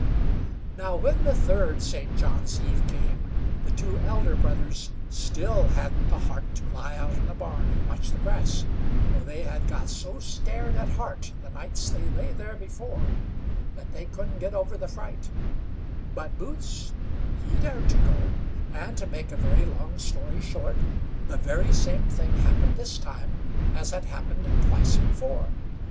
Now, when the third St. John's eve came, the two elder brothers still hadn't the heart to lie out in the barn and watch the grass, for they had got so scared at heart the nights they lay there before, that they couldn't get over the fright; but Boots, he dared to go; and, to make a very long story short, the very same thing happened this time as had happened twice before.